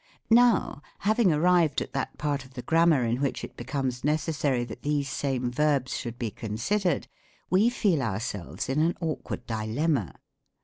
Now, having arrived at that part of the Grammar in which it becomes necessary that these same verbs should be considered, we feel ourselves in an awkward dilemma.